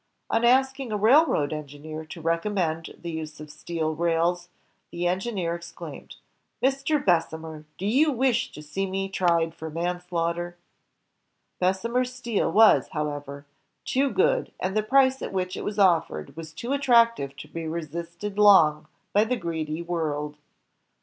On asking a raihoad engineer to recommend the use of steel rails, the engineer exclaimed, "Mr. Bessemer, do you wish to see me tried for manslaughter? " Bessemer's steel was, however, too good, and the price at which it was offered was too attractive to be resisted long by the greedy world.